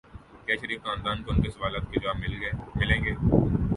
کیا شریف خاندان کو ان کے سوالات کے جواب ملیں گے؟